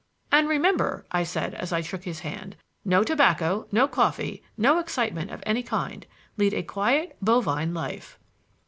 "And remember," I said as I shook his hand, "No tobacco, no coffee, no excitement of any kind. Lead a quiet, bovine life."